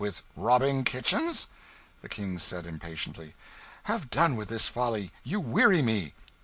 With robbing kitchens?" The King said, impatiently "Have done with this folly you weary me!"